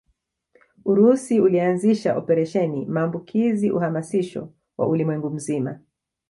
Urusi ulianzisha Operesheni maambukizi uhamasisho wa ulimwengu mzima